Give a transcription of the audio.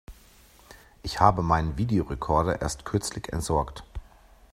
Ich habe meinen Videorecorder erst kürzlich entsorgt.